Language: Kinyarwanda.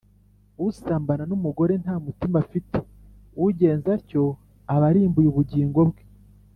usambana n’umugore nta mutima afite, ugenza atyo aba arimbuye ubugingo bwe